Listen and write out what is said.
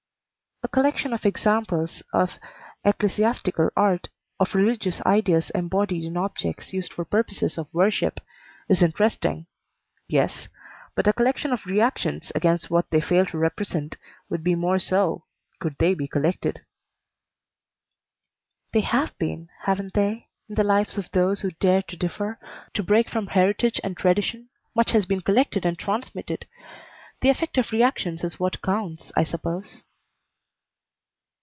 "A collection of examples of ecclesiastical art, of religious ideas embodied in objects used for purposes of worship, is interesting yes but a collection of re actions against what they fail to represent would be more so, could they be collected." "They have been haven't they? In the lives of those who dare to differ, to break from heritage and tradition, much has been collected and transmitted. The effect of re actions is what counts, I suppose."